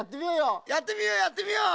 やってみようやってみよう。